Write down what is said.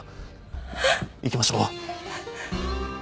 行きましょう。